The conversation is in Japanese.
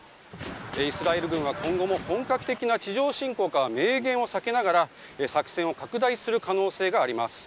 イスラエル軍は、今後も本格的な地上侵攻かは明言を避けながら作戦を拡大する可能性があります。